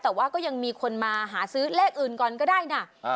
แต่ว่าก็ยังมีคนมาหาซื้อเลขอื่นก่อนก็ได้นะ